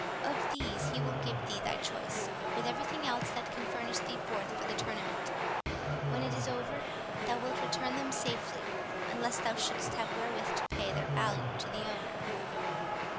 Of these he will give thee thy choice, with every thing else that can furnish thee forth for the tournament: when it is over, thou wilt return them safely—unless thou shouldst have wherewith to pay their value to the owner."